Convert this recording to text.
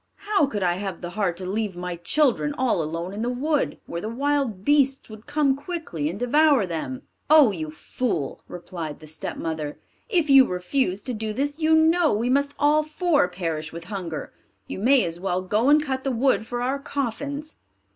How could I have the heart to leave my children all alone in the wood, where the wild beasts would come quickly and devour them?" "Oh, you fool," replied the stepmother, "if you refuse to do this, you know we must all four perish with hunger; you may as well go and cut the wood for our coffins."